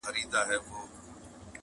په صحبت نه مړېدی د عالمانو!